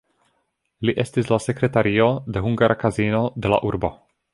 Li estis la sekretario de hungara kazino de la urbo.